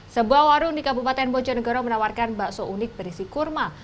sebuah warung di kabupaten bojonegoro menawarkan bakso unik berisi kurma